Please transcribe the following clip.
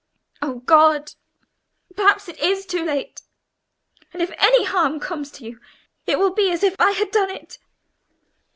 Oh God! perhaps it is too late! and if any harm comes to you, it will be as if I had done it!"